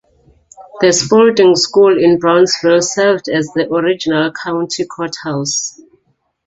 The Spaulding School in Brownsville served as the original county courthouse.